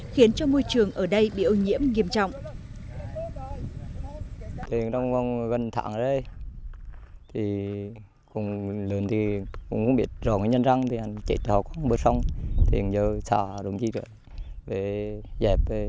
khiến cho môi trường ở đây bị ô nhiễm nghiêm trọng